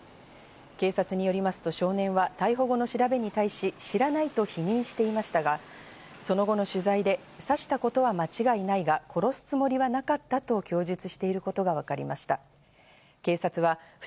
警察によりますと少年は逮捕後の調べに対し、知らないと否認していましたが、その後の取材で刺したことは間違いないが殺すつもりはなかったとお天気です。